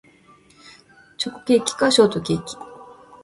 チョコケーキかショートケーキ